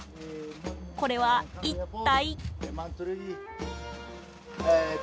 これは一体？